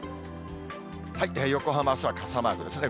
横浜、あすは傘マークですね。